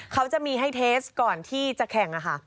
เขาจะมีให้เทสก่อนที่จะแข่งค่ะ